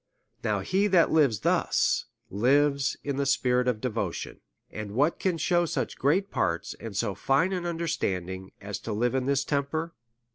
Nou^ he that lives thus lives in the spirit of devotion. And what can shew such great parts, and so fine an understanding, as to live in this temper.